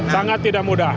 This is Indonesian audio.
sangat tidak mudah